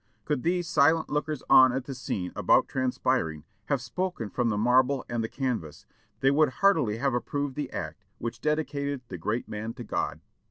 Could these silent lookers on at the scene about transpiring have spoken from the marble and the canvas, they would heartily have approved the act which dedicated the great man to God."